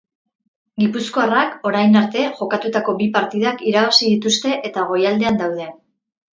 Gipuzkoarrak orain arte jokatutako bi partidak irabazi dituzte eta goialdean daude.